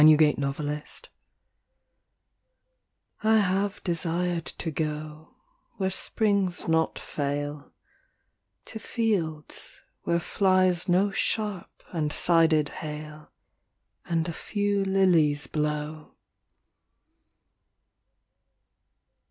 HOPWOOD I HAVE DESIRED TO GO I HAVE desired to go Where springs not fail, To fields where flies no sharp and sided hail, And a few lilies blow.